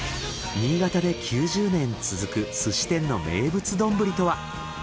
新潟で９０年続く寿司店の名物丼とは。